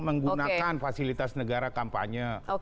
menggunakan fasilitas negara kampanye